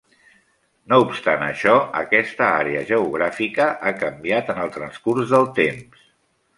No obstant això, aquesta àrea geogràfica ha canviat en el transcurs del temps.